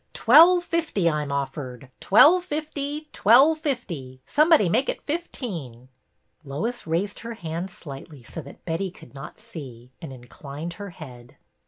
" Twelve fifty I 'm offered, twelve fifty, twelve fifty ! Somebody make it fifteen." Lois raised her hand slightly, so that Betty could not see, and inclined her head.